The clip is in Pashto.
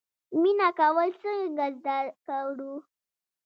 مینه کول څنګه زده کړو؟